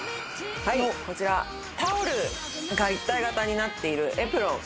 はいこちらタオルが一体型になっているエプロン。